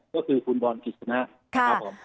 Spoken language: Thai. ก็คือคุณบอลเกษณะ